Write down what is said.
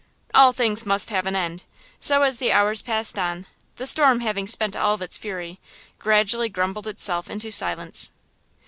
All things must have an end. So, as the hours passed on, the storm having spent all its fury, gradually grumbled itself into silence.